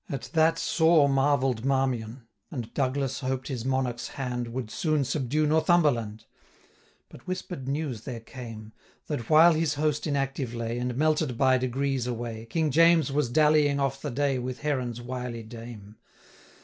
At that sore marvell'd Marmion; And Douglas hoped his Monarch's hand Would soon subdue Northumberland: 1005 But whisper'd news there came, That, while his host inactive lay, And melted by degrees away, King James was dallying off the day With Heron's wily dame.